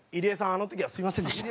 あの時はすいませんでした。